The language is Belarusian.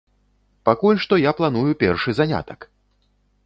Пакуль што я планую першы занятак!